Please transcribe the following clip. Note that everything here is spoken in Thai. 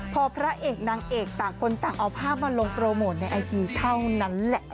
พอพระเอกนางเอกต่างคนต่างเอาภาพมาลงโปรโมทในไอจีเท่านั้นแหละ